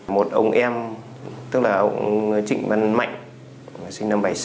một ông em tức là ông trịnh văn mạnh sinh năm một nghìn chín trăm bảy mươi sáu